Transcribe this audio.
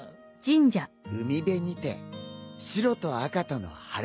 海辺にて白と赤との晴れ姿。